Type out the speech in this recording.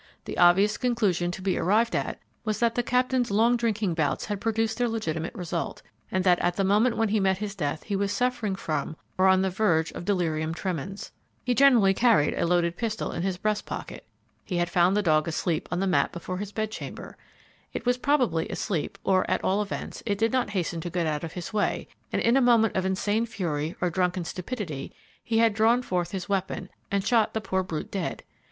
The obvious conclusion to be arrived at was that the Captain's long drinking bouts had produced their legitimate result, and that at the moment when he met his death he was suffering from, or on the verge of delirium tremens. He generally carried a loaded pistol in his breast pocket. He had found the dog asleep on the mat before his bedchamber. It was probably asleep, or, at all events, it did not hasten to get out of his way, and in a moment of insane fury or drunken stupidity he had drawn forth his weapon, and shot the poor brute dead.